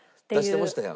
出してましたやん。